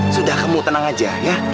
sudah kamu tenang aja ya